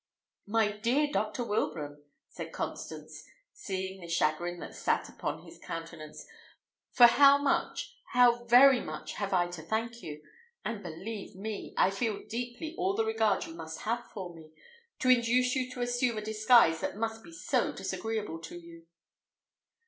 "My dear Dr. Wilbraham," said Constance, seeing the chagrin that sat upon his countenance, "for how much, how very much have I to thank you! And believe me, I feel deeply all the regard you must have for me, to induce you to assume a disguise that must be so disagreeable to you."